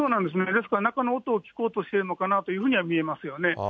ですから、中の音を聞こうとしているのかなというふうには見えますよね。